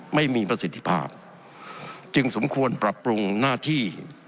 ไม่มีประสิทธิภาพจึงสมควรปรับปรุงหน้าที่